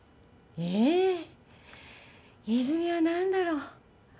え泉は何だろう